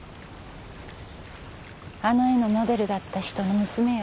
あの絵のモデルだった人の娘よ。